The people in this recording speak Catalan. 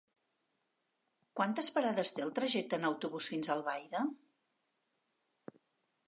Quantes parades té el trajecte en autobús fins a Albaida?